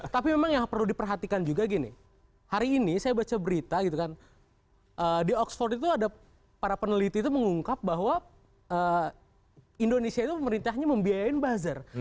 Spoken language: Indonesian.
tapi memang yang perlu diperhatikan juga gini hari ini saya baca berita gitu kan di oxford itu ada para peneliti itu mengungkap bahwa indonesia itu pemerintahnya membiayain buzzer